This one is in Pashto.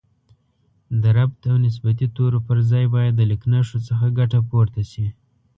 د ربط او نسبتي تورو پر ځای باید د لیکنښو څخه ګټه پورته شي